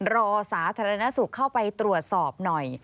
สาธารณสุขเข้าไปตรวจสอบหน่อย